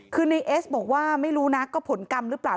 คือในเอสบอกว่าไม่รู้นะก็ผลกรรมหรือเปล่า